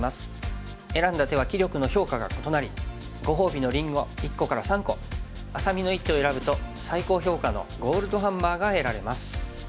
選んだ手は棋力の評価が異なりご褒美のりんご１個から３個愛咲美の一手を選ぶと最高評価のゴールドハンマーが得られます。